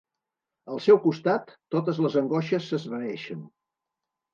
Al seu costat, totes les angoixes s'esvaeixen.